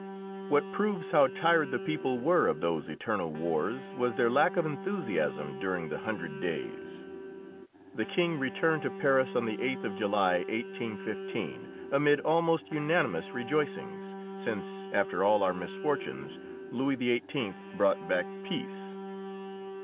What proves how tired the people were of those eternal wars was their lack of enthusiasm during the Hundred Days. The King returned to Paris on the 8th of July, 1815, amid almost unanimous rejoicings, since, after all our misfortunes, Louis XVIII. brought back peace.